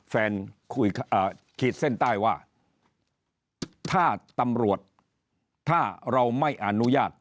ขีดเส้นใต้ว่าถ้าตำรวจถ้าเราไม่อนุญาต